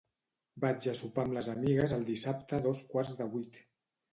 Vaig a sopar amb les amigues el dissabte a dos quarts de vuit.